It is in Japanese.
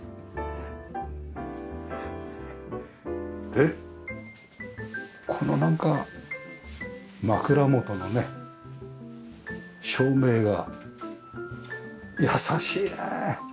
でこのなんか枕元のね照明がやさしいねえ。